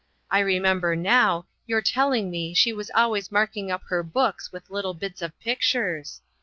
I remember, now, your telling me that she was always marking up her books with little bits of pictures.